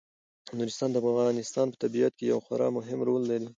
نورستان د افغانستان په طبیعت کې یو خورا مهم رول لري.